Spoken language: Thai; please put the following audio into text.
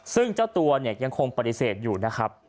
ซึ่งเจ้าตัวเนี่ยยังคงปฏิเสธอยู่นะครับ